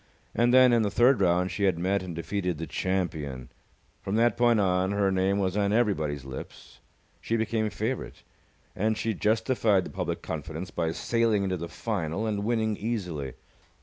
And then, in the third round, she had met and defeated the champion. From that point on, her name was on everybody's lips. She became favourite. And she justified the public confidence by sailing into the final and winning easily.